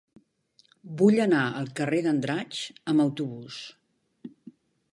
Vull anar al carrer d'Andratx amb autobús.